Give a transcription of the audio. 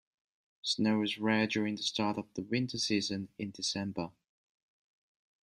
Snow is rare during the start of the winter season in December.